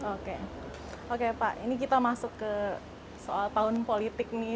oke oke pak ini kita masuk ke soal tahun politik nih